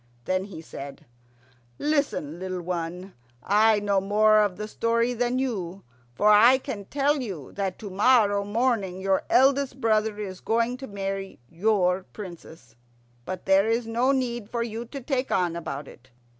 Then he said, "Listen, little one. I know more of the story than you, for I can tell you that to morrow morning your eldest brother is going to marry your Princess. But there is no need for you to take on about it.